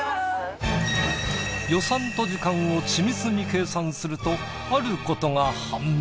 予算と時間を緻密に計算するとあることが判明！